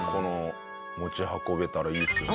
持ち運べたらいいですよね。